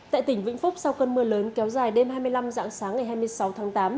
tại tỉnh vĩnh phúc sau cơn mưa lớn kéo dài đêm hai mươi năm dạng sáng ngày hai mươi sáu tháng tám